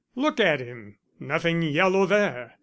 Look at him! Nothing yellow there!